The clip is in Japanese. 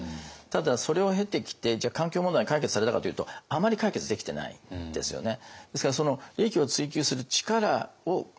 ただそれを経てきてじゃあ環境問題解決されたかというとあまり解決できてないですよね。